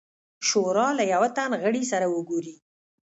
شورا له یوه تن غړي سره وګوري.